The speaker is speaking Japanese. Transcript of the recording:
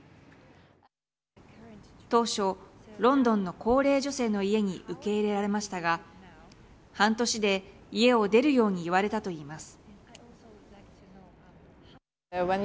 当初ロンドンの高齢女性の家に受け入れられましたが半年で家を出るように言われたと言います。